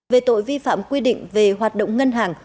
về tội vi phạm quy định về hoạt động ngân hàng